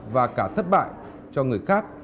và cả thất bại cho người khác